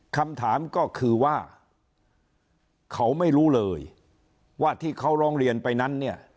คำถามก็คือว่าเขาไม่รู้เลยว่าที่เขาร้องเรียนไปนั้นเนี่ย